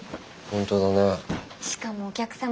本当だね。